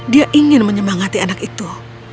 dia ingin menyemangati anak itu